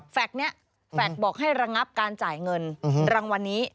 นี้แฟลต์บอกให้ระงับการจ่ายเงินรางวัลนี้